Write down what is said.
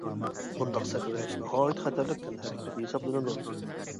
بۇنداق سەكرەش ناھايىتى خەتەرلىك تەنھەرىكەت ھېسابلىنىدۇ.